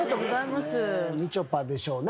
みちょぱでしょうね